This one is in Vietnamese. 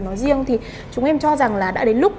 nói riêng thì chúng em cho rằng là đã đến lúc